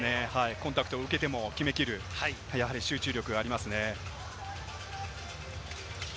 コンタクトを受けても決めきる集中力があります。